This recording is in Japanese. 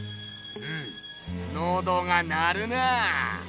うむのどが鳴るなぁ！